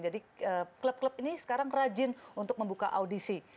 jadi klub klub ini sekarang rajin untuk membuka audisi